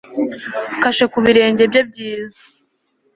Kashe ku birenge bye byiza